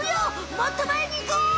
もっとまえにいこう！